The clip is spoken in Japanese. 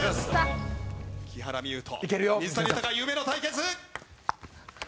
木原美悠と水谷豊夢の対決。